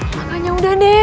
makanya udah deh